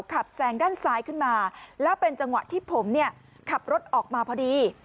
แซงด้านซ้ายขึ้นมาแล้วเป็นจังหวะที่ผมเนี่ยขับรถออกมาพอดี